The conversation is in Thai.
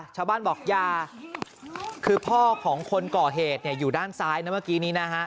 ชาวบ้านบอกอย่าคือพ่อของคนก่อเหตุอยู่ด้านซ้ายนะเมื่อกี้นี้นะฮะ